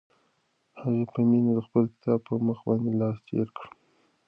هغې په مینه د خپل کتاب په مخ باندې لاس تېر کړ.